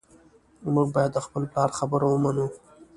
موږ باید د خپل پلار خبره ومنو